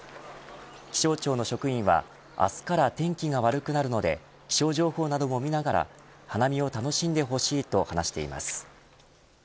気象庁の職員は明日から天気が悪くなるので気象情報なども見ながら花見を楽しんでほしいと話しています。